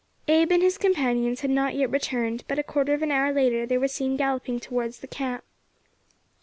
Abe and his companions had not yet returned; but a quarter of an hour later they were seen galloping towards the camp.